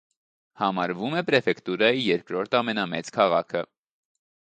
Համարվում է պրեֆեկտուրայի երկրորդ ամենամեծ քաղաքը։